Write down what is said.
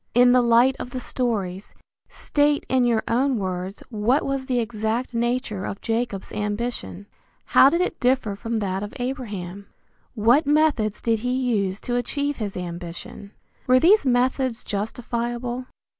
In the light of the stories, state in your own words what was the exact nature of Jacob's ambition. How did it differ from that of Abraham? What methods did he use to achieve his ambition? Were these methods justifiable?